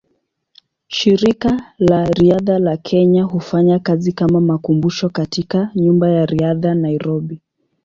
Shirika la Riadha la Kenya hufanya kazi kama makumbusho katika Nyumba ya Riadha, Nairobi.